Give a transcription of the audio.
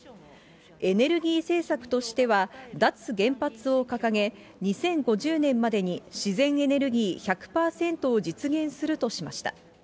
エネルギー政策としては、脱原発を掲げ、２０５０年までに、自然エネルギー１００％を実現するとしました。